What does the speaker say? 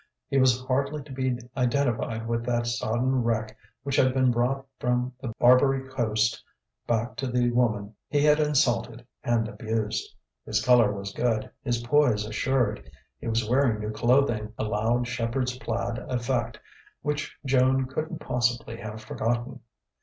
He was hardly to be identified with that sodden wreck which had been brought from the Barbary Coast back to the woman he had insulted and abused. His colour was good, his poise assured. He was wearing new clothing a loud shepherd's plaid effect which Joan couldn't possibly have forgotten.